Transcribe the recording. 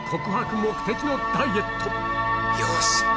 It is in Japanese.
よし！